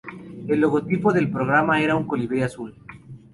El logotipo del programa era un colibrí azul.